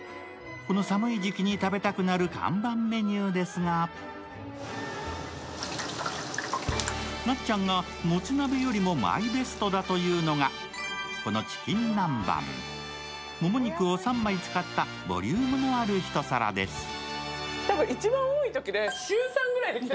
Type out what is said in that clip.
この寒い時期に食べたくなる看板メニューですがなっちゃんが、もつ鍋よりもマイベストだというのが、このチキン南蛮もも肉を３枚使ったボリュームのあるひと皿です。